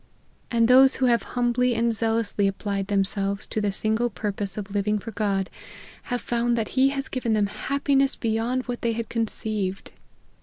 And those who have humbly and zealous ly applied themselves to the single purpose of living for God, have found that he has given them happiness beyond what they had conceived.